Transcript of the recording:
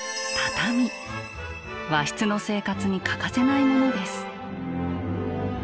和室の生活に欠かせないモノです。